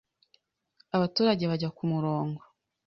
Abaturage bajya ku murongo